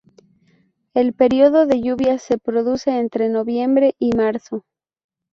El período de lluvias se produce entre noviembre y marzo.